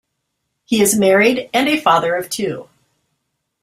He is married and a father of two.